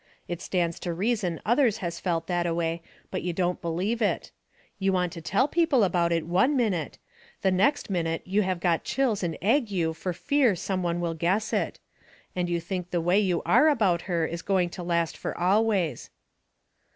It stands to reason others has felt that a way, but you don't believe it. You want to tell people about it one minute. The next minute you have got chills and ague fur fear some one will guess it. And you think the way you are about her is going to last fur always.